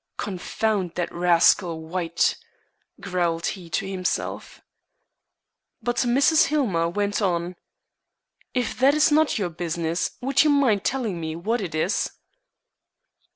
"Confound that rascal White," growled he to himself. But Mrs. Hillmer went on: "If that is not your business, would you mind telling me what it is?"